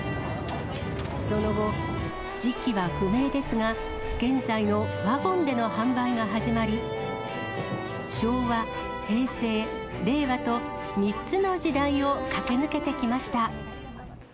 その後、時期は不明ですが、現在のワゴンでの販売が始まり、昭和、平成、令和と、３つの時代を駆け抜けてきました。